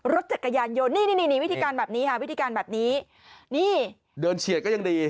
รถจักรยานยนต์นี่นี่วิธีการแบบนี้ค่ะวิธีการแบบนี้นี่เดินเฉียดก็ยังดี